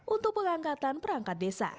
untuk pengangkatan perangkat desa